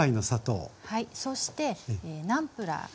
そしてナムプラー。